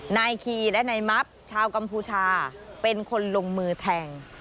นายคีและนายมับชาวกัมพูชาเป็นคนลงมือแทง